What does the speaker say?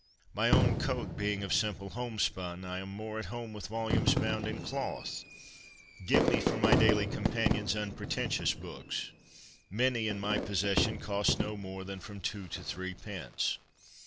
My own coat being of simple homespun, I am more at home with volumes bound in cloth. Give me for my daily companions unpretentious books. Many in my possession cost no more than from two to three pence.